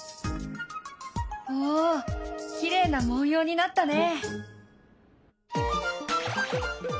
おきれいな文様になったね。